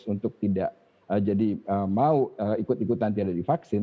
untuk tidak jadi mau ikut ikutan tidak divaksin